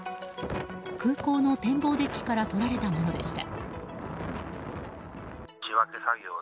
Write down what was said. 空港の展望デッキから撮られたものでした。